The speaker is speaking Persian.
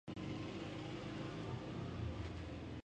پسری که آبی پوشیده دارد شن کش می گیرد.